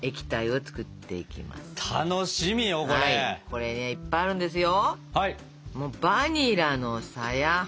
これねいっぱいあるんですよ。